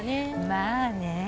まあね。